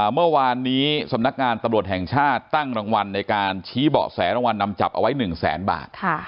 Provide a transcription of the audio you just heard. เมื่อวานนี้สำนักงานตำรวจแห่งชาติตั้งรางวัลในการชี้เบาะแสรางวัลนำจับเอาไว้๑แสนบาท